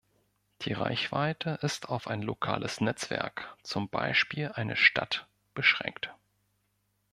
Die Reichweite ist auf ein lokales Netzwerk, zum Beispiel eine Stadt, beschränkt.